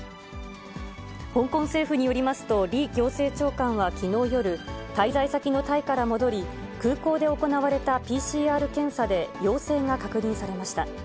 香港政府によりますと、李行政長官はきのう夜、滞在先のタイから戻り、空港で行われたＰＣＲ検査で陽性が確認されました。